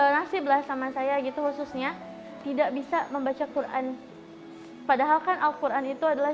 nasiblah sama saya gitu khususnya tidak bisa membaca quran padahalkan alquran itu adalah